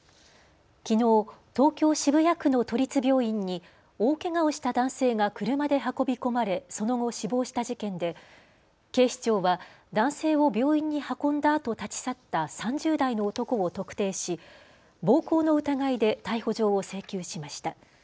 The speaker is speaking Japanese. きのう、東京渋谷区の都立病院に大けがをした男性が車で運び込まれその後死亡した事件で警視庁は男性を病院に運んだあと立ち去った３０代の男を特定し暴行の疑いで逮捕状を請求しました。